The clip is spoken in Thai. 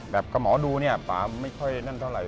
กับหมอดูพาไม่เคยได้รู้เท่าไร